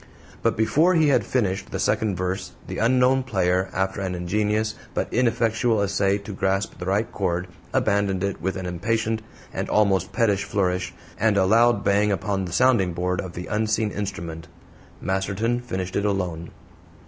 But before he had finished the second verse the unknown player, after an ingenious but ineffectual essay to grasp the right chord, abandoned it with an impatient and almost pettish flourish, and a loud bang upon the sounding board of the unseen instrument. Masterton finished it alone.